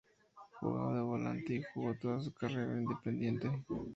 Jugaba de Volante y jugó toda su carrera en Independiente.